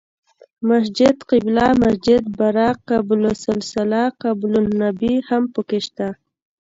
مسجد قبله، مسجد براق، قبة السلسله، قبة النبی هم په کې شته.